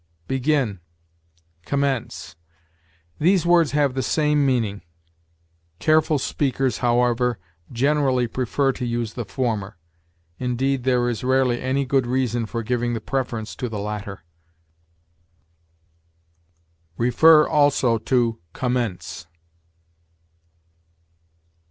BEGIN COMMENCE. These words have the same meaning; careful speakers, however, generally prefer to use the former. Indeed, there is rarely any good reason for giving the preference to the latter. See also COMMENCE.